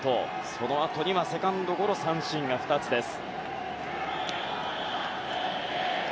そのあとにはセカンドゴロ三振２つです。